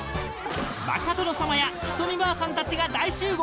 バカ殿様やひとみばあさんたちが大集合。